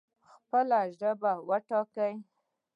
خپله ژبه وټاکئ